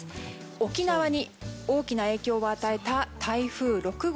沖縄に大きな影響を与えた台風６号。